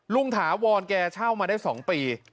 ถาวรแกเช่ามาได้๒ปี